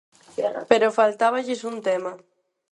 Pero faltáballes un tema.